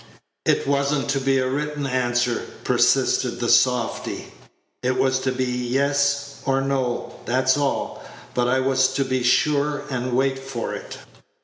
"It was n't to be a written answer," persisted the softy; "it was to be yes or no, that's all; but I was to be sure and wait for it."